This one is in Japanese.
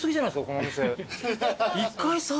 このお店。